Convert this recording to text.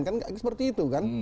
kan seperti itu kan